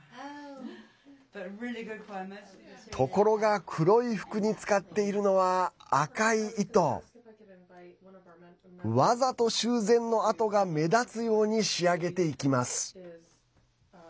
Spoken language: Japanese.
ところが黒い服に使っているのは赤い糸。わざと修繕の跡が目立つように仕上げていきます。